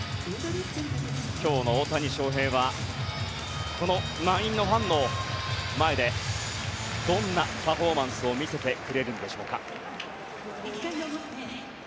今日の大谷翔平はこの満員のファンの前でどんなパフォーマンスを見せてくれるのか。